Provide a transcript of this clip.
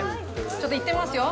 ちょっといってみますよ。